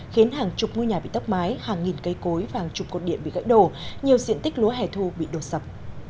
khiến hàng chục ngôi nhà bị tốc mái hàng nghìn cây cối và hàng chục cột điện bị gãy đổ nhiều diện tích lúa hẻ thu bị đổ sập